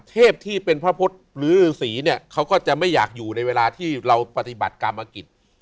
เทพที่เป็นพระพุทธหรือฤษีเนี่ยเขาก็จะไม่อยากอยู่ในเวลาที่เราปฏิบัติกรรมกิจ